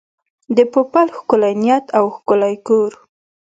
د پوپل ښکلی نیت او ښکلی کور.